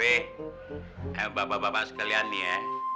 eh bapak bapak sekalian nih ya